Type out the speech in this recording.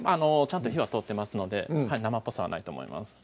ちゃんと火は通ってますので生っぽさはないと思います